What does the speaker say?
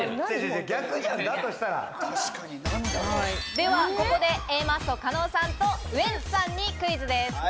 ではここでＡマッソ・加納さんとウエンツさんにクイズです。